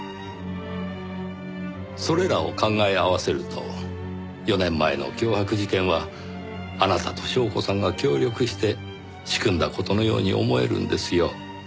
それらを考え合わせると４年前の脅迫事件はあなたと祥子さんが協力して仕組んだ事のように思えるんですよ。